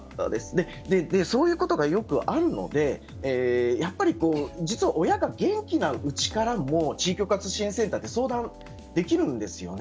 そういうことがよくあるので実は、親が元気なうちからも地域包括支援センターって相談できるんですよね。